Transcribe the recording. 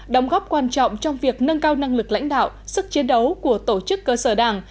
đóng góp quan trọng trong việc nâng cao năng lực lãnh đạo sức chiến đấu của tổ chức cơ sở đảng